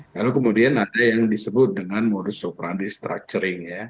lalu kemudian ada yang disebut dengan modus operandi structuring ya